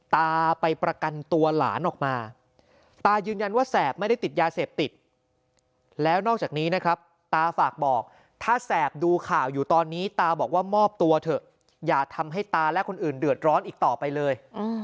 ตาไปประกันตัวหลานออกมาตายืนยันว่าแสบไม่ได้ติดยาเสพติดแล้วนอกจากนี้นะครับตาฝากบอกถ้าแสบดูข่าวอยู่ตอนนี้ตาบอกว่ามอบตัวเถอะอย่าทำให้ตาและคนอื่นเดือดร้อนอีกต่อไปเลย